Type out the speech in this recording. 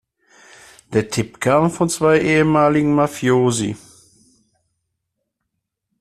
Der Tipp kam von zwei ehemaligen Mafiosi.